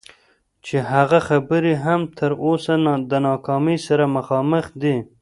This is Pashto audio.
چې هغه خبرې هم تر اوسه د ناکامۍ سره مخامخ دي.